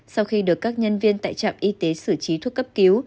sau khi được các nhân viên tại trạm y tế sử trí thuốc cấp cứu